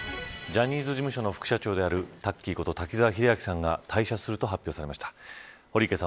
ジャニーズ事務所の副社長であるタッキーこと滝沢秀明さんが退社すると伝えられました。